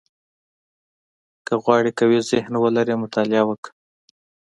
• که غواړې قوي ذهن ولرې، مطالعه وکړه.